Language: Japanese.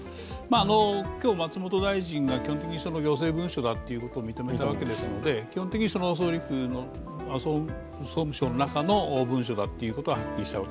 今日松本大臣が行政文書だということを認めたわけですので基本的に総務省の中の文書だっていうことははっきりしたと。